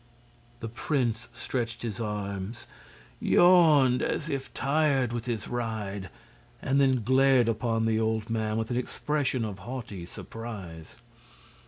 The prince stretched his arms, yawned as if tired with his ride, and then glared upon the old man with an expression of haughty surprise.